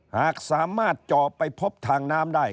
หากสามารถเจาะไปพบทางน้ำได้